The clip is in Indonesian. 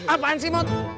apaan sih mot